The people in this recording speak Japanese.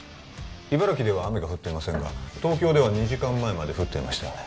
茨城では雨が降っていませんが東京では２時間前まで降っていましたよね